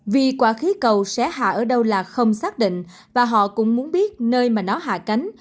vì quả khí cầu xé hạ ở đâu là không xác định và họ cũng muốn biết nơi mà nó hạ cánh